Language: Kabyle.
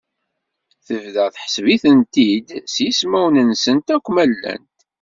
Tebda tḥesseb-itent-id s yismawen-nsent akken ma llant.